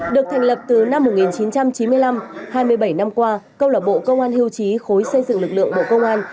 được thành lập từ năm một nghìn chín trăm chín mươi năm hai mươi bảy năm qua câu lạc bộ công an hưu trí khối xây dựng lực lượng bộ công an